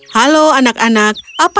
halo anak anak apa yang mau kalian lakukan